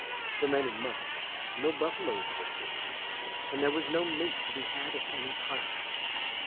For many months no buffaloes were killed, and there was no meat to be had at any price.